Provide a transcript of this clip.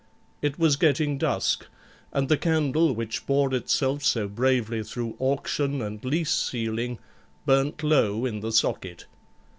It was getting dusk, and the candle which bore itself so bravely through auction and lease sealing burnt low in the socket.